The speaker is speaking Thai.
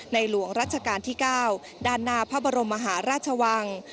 หลวงรัชกาลที่๙ด้านหน้าพระบรมมหาราชวัง